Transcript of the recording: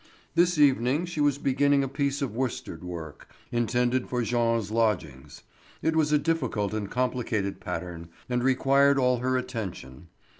This evening she was beginning a piece of worsted work, intended for Jean's lodgings. It was a difficult and complicated pattern, and required all her attention.